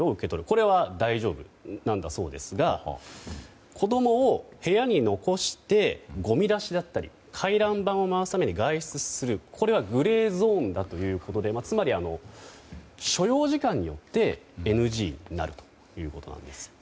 これは大丈夫なんだそうですが子供を部屋に残してごみ出しだったり回覧板を回すために外出するこれがグレーゾーンということでつまり所要時間によってＮＧになるということだと。